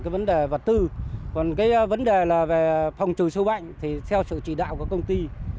vấn đề vật tư vấn đề phòng trừ sâu bệnh theo sự chỉ đạo của công ty